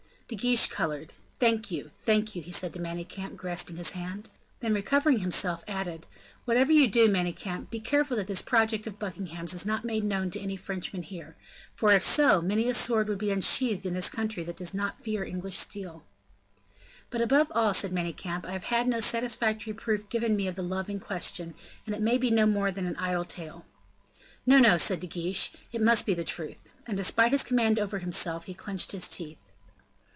De Guiche colored. "Thank you, thank you," said he to Manicamp, grasping his hand. Then, recovering himself, added, "Whatever you do, Manicamp, be careful that this project of Buckingham's is not made known to any Frenchman here; for, if so, many a sword would be unsheathed in this country that does not fear English steel." "But after all," said Manicamp, "I have had no satisfactory proof given me of the love in question, and it may be no more than an idle tale." "No, no," said De Guiche, "it must be the truth;" and despite his command over himself, he clenched his teeth.